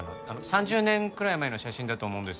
３０年くらい前の写真だと思うんですけど。